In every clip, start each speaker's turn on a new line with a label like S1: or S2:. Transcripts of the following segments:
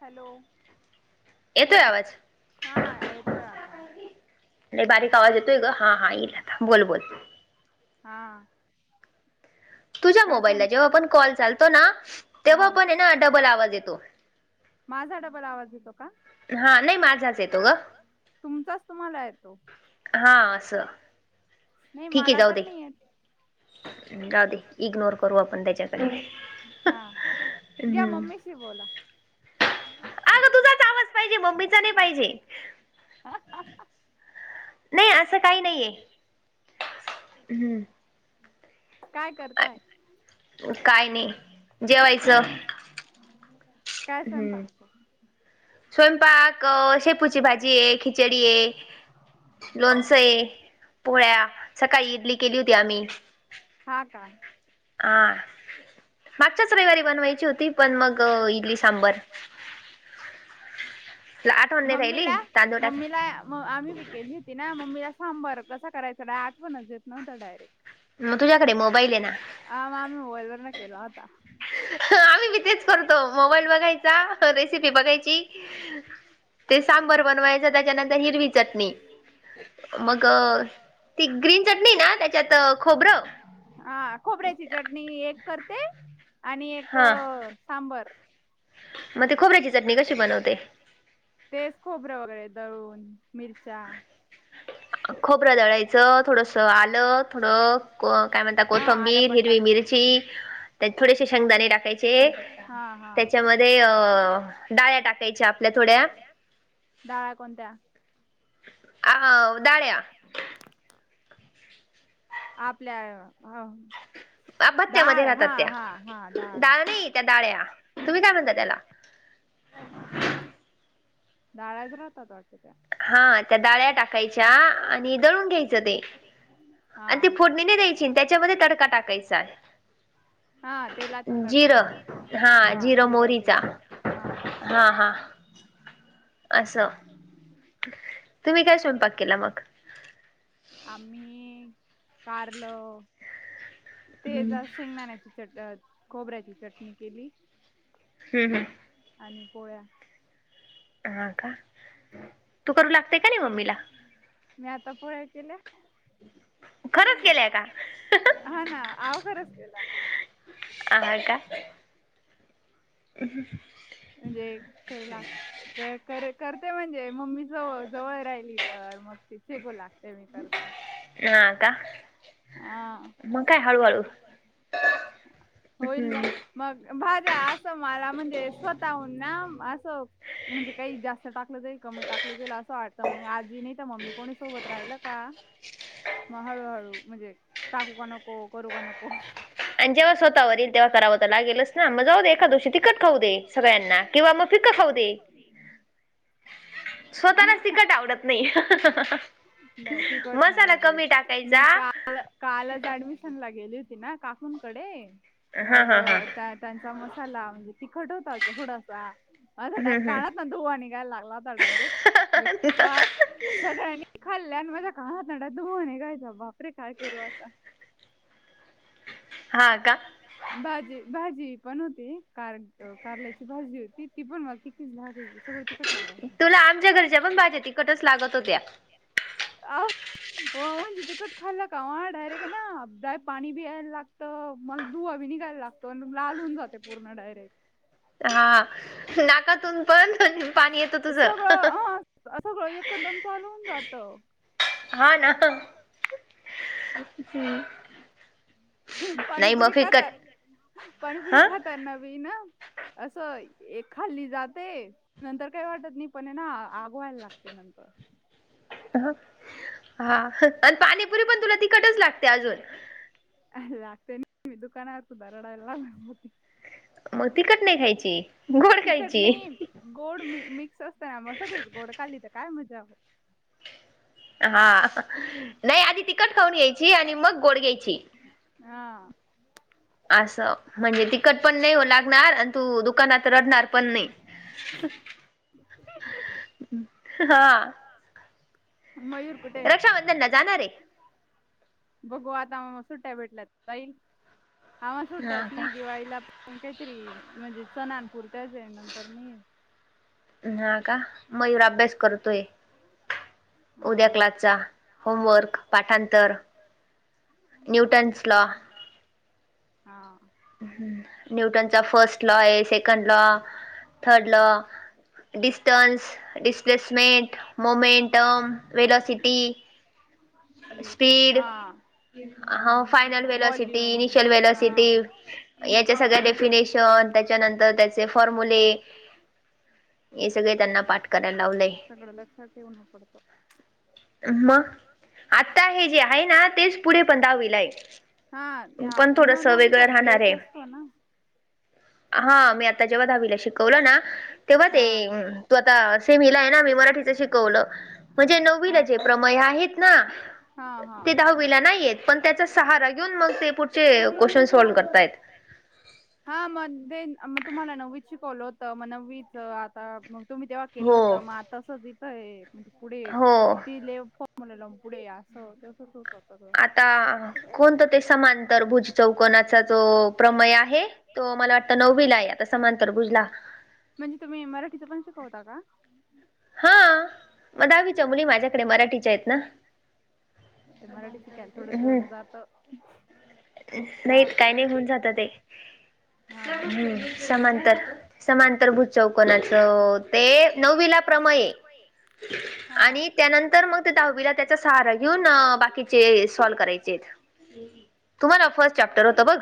S1: Hello
S2: येतोय आवाज.
S1: हा येतोय आता
S2: ये बारीक आवाज येतोय ग हा हा इलआता बोल बोल.
S1: हा.
S2: तुझ्या मोबाईलला जेव्हा आपण कॉल चालतो ना तेव्हा पण ना डबल आवाज येतो.
S1: माझा डबल आवाज येतो का
S2: हा नाही माझाच येतो ग.
S1: तुमचाच तुम्हाला येतो.
S2: हा अस ठीक हे जाऊ दे. जाऊ दे इग्नोर करू आपण त्याच्याकडे हम्म
S1: बोला.
S2: अग तुझाच आवाज पाहिजे मम्मीचा नाही पाहिजे. नाही असं काही नाहीये हम्म
S1: कायं करतांय कायं नाहीं जेवायचं काय स्वयंपाक
S2: स्वयंपाक शेपूची भाजी हे, खिचडी हे. लोणच हे पोळ्या सकाळी इडली केली होती आम्ही.
S1: हा का
S2: मागच्याच रविवारी बनवायची होती पण मग इडली सांबर. [unintelligible]
S1: मम्मीला मम्मीला आम्ही बी केली त ना मम्मीला सांबर कस करायचं आठवण येत नव्हता डायरेक्ट तुझ्याकड मोबाईल हेना आ म आम्ही मोबाईल वर न केला आता.
S2: आम्ही बी तेच करतो मोबाईल बघायचा रेसिपी बघायची ते सांबर बनवायचं त्याच्यानंतर हिरवी चटणी.
S1: मग [unintelligible] चटणी ना त्याच्यात खोबर. खोबऱ्याची चटणी एक करते आणि
S2: हां
S1: सांबर.
S2: मग ते खोबऱ्याची चटणी कशी बनवते?
S1: ते खोबरं वगैरे दळून मिरच्या
S2: खोबरं दळायचं थोडस आलं, थोडं काय म्हणत कोथंबीर, हिरवी मिरची त्या थोडेसे शेंगदाणे टाकायचे.
S1: हा हां
S2: अ डाळ्या टाकायच्या आपल्या थोड्या.
S1: डाळ्या कोणत्या?
S2: आ हव दाळ्या.
S1: [inaudible] आपल्या ह दाळ हा हा हा दाळ.
S2: त्या डाळ्या तुम्ही काय म्हणता त्याला?
S1: डाळ्याच राहतात वाटतं त्या.
S2: हां त्या दाळ्या टाकायच्या आणि दळून घ्यायचं ते.
S1: ते हा.
S2: आणि ती फोडणी नाही द्यायची त्याच्यामध्ये तडका टाकायचा.
S1: हा तेलाचा तडका द्यायचा जिर हा जिर तेल मोहरीचा हा हा हा. हां
S2: असं.
S1: ह [inaudible]
S2: तुम्ही काय स्वयंपाक केला मग?
S1: आम्ही कारल. ते जरा शेंगदाण्याची चटणी अ खोबऱ्याची चटणी केली.
S2: हम्म हम्म.
S1: आणि पोळ्या.
S2: हा का.
S1: मी आता पोळ्या केल्या. हा ना आवघडचना मग.
S2: आ हां का. ह् [inaudible]
S1: म्हणजे करू लाग ते क कर करते म्हणजे मम्मी जव जवळ राहिली तर मग ती शेकू लागते मी करते.
S2: हां का? मग काय हळूहळू हम्म
S1: मग भाज्या असं मला म्हणजे स्वतःहून ना असं म्हणजे काही जास्त टाकलं जाईल कमी टाकलं जाईल असं वाटतं मग आजी नाही तर मम्मी कोणी सोबत राहिलं का म हळूहळू म्हणजे टाकू का नको करू का नको.
S2: आणि जेव्हा स्वतःवर येयील तेव्हा करावं लागेलच ना मग जाऊ दे एका दिवशी तिकखट खाऊ दे.
S1: ते [unintelligible] किंवा तिखट होऊदे.
S2: स्वतःलाच तिखट आवडत नाही.
S1: नाही तिखट नाही बाई मी काल कालच ॲडमिशनला गेली होती ना काकुंकडे मग त्यांचा मसाला म्हणजे तिखट खालच पुुढ असा असा डायेक्ट कानातन धुवा निघायला लागला होता डायरेक्ट बेक्का सगळ्यांनी खाल्ल्या आणि माझ्या कानातन दुर नीघायचा कायचा बापरे काय करू आता.
S2: हा का.
S1: हा का भाजी भाजी पण होती कारण का कारल्याची भाजी होती ती पण मल तिखीच लागायची. सगळ तिखट लागायच आहो हो म्हणजे तीकट खाल्ल का माय डायरेक्ट ना डोळ्या ट पाणी बी यायला लाग त, मग धुवा बी निघायला लागतो, आण लाल होऊन जाते पूर्ण डायरेक्ट.
S2: हा, नाकातून पण, पण पाणी येतं तुझं.
S1: अस सगळं एकदम चालू होऊन जात.
S2: हा ना, हम्म.
S1: पाणीपुरी खाता, पाणीपुरी खात ना भी ना असं, एक खाल्ली जाते नंतर काय वाटत नाही, पण ना आग व्हयला लागते नंतर
S2: ह हा अण पाणीपुरी पण तुला तिखटच लागते अजून.
S1: लागते न मी दुकानावर सुद्धा रडायल लागली होती. तिखट नइ खाईची, तिखट नही गोड मी मिक्स असत ना, मग सगळीच गोड खाली तर काय मजा
S2: हा नही आधी तिखट खाऊन घ्यायची आणि मग गोड घ्यायची.
S1: हा.
S2: असं म्हणजे तिखट पण नाही हो लागणार आणि तु दुकानात रडणार पण नाही. हा.
S1: मयूर
S2: रक्षाबंधन ला जाणारे?
S1: बघू आता मा सुट्ट्या भेटला जाईल, आम्हाला सुट्टयाच नई, दिवाळीला पण काहीतरी म्हणजे सनानपूर
S2: हा का मयुर अभ्यास करतोय.
S1: हा.
S2: होमवर्क, पाठांतर, न्यूटन्स लॉ.
S1: हा.
S2: ह्, न्यूटनचा फर्स्ट लॉ ये, second law, third law distance, displacement, momentum, velocity speed, हा मग final velocity, initial velocity, याच्या सगळ्या डेफिनेशन, त्यांच्यानतर त्याचे फॉर्मुले
S1: हे सगळे त्यांना पाठ करायला लाव, सगळं लक्षात ठेवन पडत.
S2: अ म्म. आता हे जे आहे ना, तेच पुढे पण दहावीला आहे, पण थोडस वेगळं राहणार आहे.
S1: हो ना?
S2: हा मी आता जेव्हा दहावीला शिकवलं ना, तेव्हा ते उम्म तू आता सेमीला ये ना मी मराठी ते शिकवलं, म्हणजे नववीला जे प्रमय आहेत
S1: तें आहेत ना? हा हा, ते दहावीला नाहीयेत, पण त्याचाच सहारा घेऊन [unintelligible] कोणते मुद्दे सॉल्व करताय. हा म मग तुम्हाला नववी शिकवलं होत, मग नववीत आता तुम्ही तेव्हा केल होत, मग आता तसच इथंय म्हणजे पुढे ति ले मला [unintelligible] लंपुडे असं तसं होत.
S2: आता कोणतं ते, समांतर भुज चौकोनाचा जो प्रमय आहे, तो मला वाटत नववीला आहे, आता समांतर भुजला
S1: म्हणजे तुम्ही मराठीत पण शिकवता का?
S2: हा, मग दहावीच्या मुली माझ्याकडे मराठीच्या यत ना.
S1: ते मराठी शिकायल थोडं जड जात.
S2: नहीत काही नही होऊन जात ते, हम् समांतर समांतरभूज चौकणाचं ते नववीला प्रमय
S1: [inaudible]
S2: आणि त्यानंतर मग ते दहावीला त्याचा सहारा घेऊन बाकीचे सॉल्व करायचेत. तुम्हाला फर्स्ट चॅप्टर होतं बघ?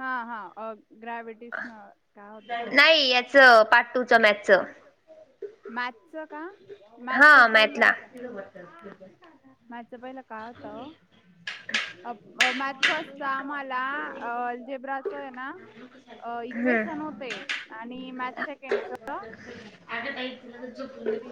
S1: हा हा, ग्राॅविटी तिष्ण काय होतं काय माहित नाही याच पाचवीच मॅथ्सच. [unintelligible] माातचं का माातचं पहिलं [unintelligible] माझं पहिला काय होत [unintelligible] त्यात फर्स्ट आम्हाला अल्जेब्राच हे ना अ इक्वेशन होते. आणि मॅथ सेकेंडच.
S2: आग ताई तुला ज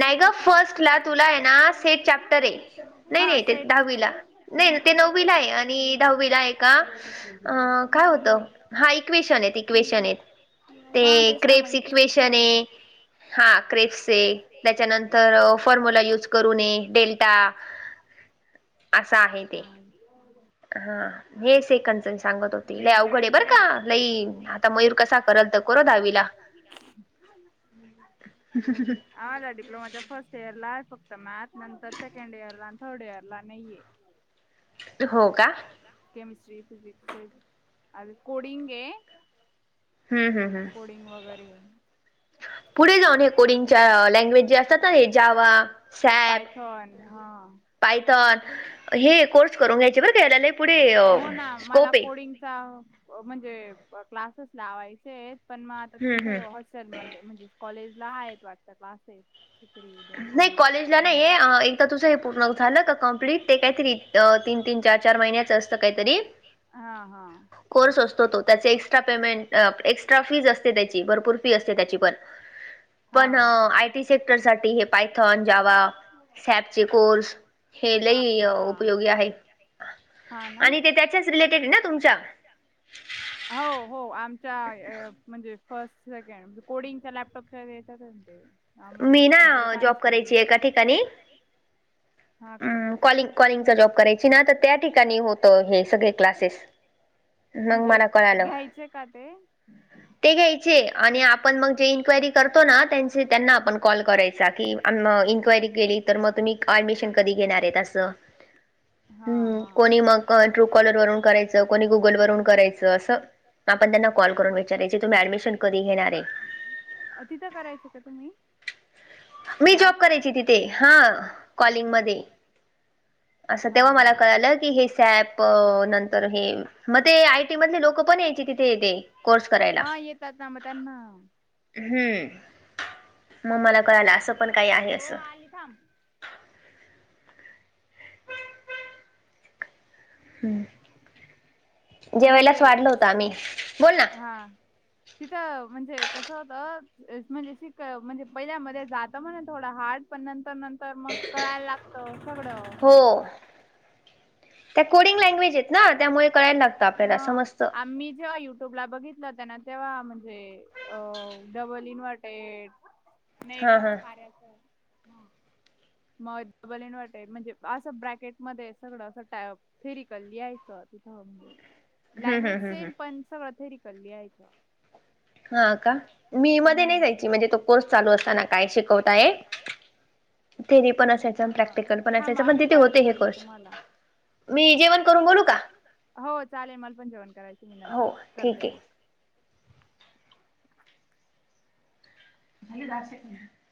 S2: नाही ग फर्स्ट ला तुला आहे ना सेट चॅप्टर आहे. [unintelligible] नाही नाही ते दहावीला नाही नाही ते नववीला आहे आणि दहावीला आहे का [unintelligible] अ काय होत हा इक्वेशन हेत इक्वेशन हेत ते क्रेप्स इक्वेशन.
S1: क्यो नाही
S2: हा क्रेपशे त्याच्यानंतर फॉर्म्यूला यूज करूनये डेल्टा‌‌ [unintelligible] असं आहे ते
S1: हो
S2: हा हे स कन सांगत होती लय अवघड बरं का नाहीई आता मयूर कसा करल तर करो दहावीला. [unintelligible]
S1: [unintelligible]
S2: ठीक आहे ठीक आहे
S1: आम्हला डपलोमाच्या फर्स्ट इयर ला फक्त मॅथ नंतर सेकेंड इयर ला थर्ड इयर ला ना नाहीये
S2: हो का
S1: केमिस्ट्री फिझक्स अ कोडींगे [unintelligible]
S2: हम् हम हम
S1: डंग वगैरे. जाऊन ल्ज पायथॉन हा. हो ना मला कोडिंगचा म्हणजे क्लासेस लावायचे आहेत पण मग आता तिथ [unintelligible] चल मध्ये म्हणजेच कॉलेजला आहेत वाटतं क्लासेस [unintelligible] तिक्री.
S2: नाही कॉलेजला नाही आहे एकदा तुझं हे पूर्ण झालं का कमप्लीट ते काहीतरी [unintelligible] अ तीन तीन चार चार महिन्याच असतं काहीतरी [unintelligible] कोर्स असतो तो त्याचे एक्स्ट्रा पेमेंट अ एक्स ट्रफी असते त्याची भरपूर फी असते त्याची पण पण आयटी सेक्टर सा [unintelligible] हे पायथॉन जावा सॅबचे कोर्स [unintelligible] हे लही उपयोगी आहे
S1: हा ना
S2: आणि ते त्याच्याच रिलेटेड आहे ना तुमच्या
S1: हो हो आमच्या म्हणजे फर्स्ट सेकंड कोडिंगच्या लॅपटॉपच्या येतात. अ
S2: मी ना जॉब करायची एका ठिकाणी [unintelligible] कॉल कॉलिंग जॉब करायची ना तर त्या ठिकाणी होत हे सगळे क्लासेस नंग मना
S1: घ्यायचे का ते
S2: ते घ्यायचे आणि आपण मग जे इन्क्वायरी करतो ना त्यांचे त्यांना [unintelligible] ना आपण कॉल करायचा की इनक्वायरी केली तर मग तुम्ही ऍडमिशन कधी घेणार आहे असं. [unintelligible]
S1: अ
S2: ह कोणी मग ट्रू कॉलर वरून करायचं कोणी गुगल [unintelligible] कराय अस आपण त्यांना कॉल करून विचाराय तुम्ही ऍडमिशन कधी घेणार [unintelligible]
S1: तिथं करायचं का तुम्ही
S2: मी जॉब करायची तिथे हा कॉलिंगमध्येध्ये [unintelligible] असं तेव्हा मला कळालं की हे सॅप नंतर हे [unintelligible] मग ते आयटी मधले लोक पण यायची तिथेथे कोर्स करायला [unintelligible]
S1: हां मंग त्यांनां
S2: हम्मं मंग मलां कळंना असं पणं कांहीं आहे असं
S1: थांब
S2: हम्मं. जेवायलांच वाढलं होतं आम्हीं बोलं नां
S1: तिथं म्हणजे कसं होतं म्हणजे शीक म्हणजे पहिल्यांमध्यें जातं म्हंणे थोडां हांत पणं नंतर नंतर मंग कळांयला लागतं सगळं
S2: हो ते कोडिंग लँग्वेज आहेत नां त्यांमुळे कळांय लागतं आपल्यांला समस्तं
S1: आम्हि जेंव्हा येऊं टोपलां बघितलां त्यांनां तेंव्हा म्हणजे अ डबल इन्व्हर्टे नाहीं गं पाऱ्याचं आहे मंग डबल एंड वाटे म्हणजे असं ब्रॅकेटमध्यें सगळं असं टांप थेरी कल्ली लिहांयचं तिथंण लँग्वेज सेम पणं सगळं थेरी कल लिहांयचं
S2: हां कां मी मध्यें नाहीं जायची म्हणजे तो कोर्स चालूं असतांना कायं शिकवतांय थेरी पणं असायचं प्रॅक्टिकल पणं असायचं पणं तिथे होते हे कोर्स मी जेवणं करूंन बोलूं कां हो ठीकं आहे. भीलां जे